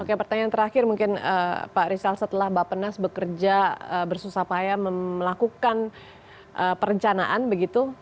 oke pertanyaan terakhir mungkin pak rizal setelah bapak nas bekerja bersusah payah melakukan perencanaan begitu